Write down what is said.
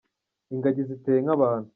ingagi ziteye nkabanu